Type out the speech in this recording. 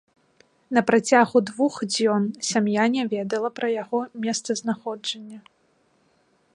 На працягу двух дзён сям'я не ведала пра яго месцазнаходжанне.